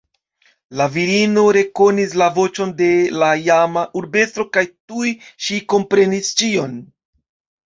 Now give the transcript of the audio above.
La virino rekonis la voĉon de la iama urbestro kaj tuj ŝi komprenis ĉion.